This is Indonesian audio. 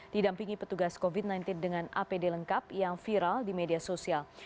didampingi petugas covid sembilan belas dengan apd lengkap yang viral di media sosial